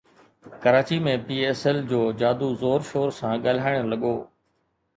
Karachi ۾ P S L جو جادو زور شور سان ڳالهائڻ لڳو